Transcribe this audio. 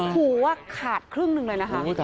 หูขาดครึ่งหนึ่งเลยนะคะ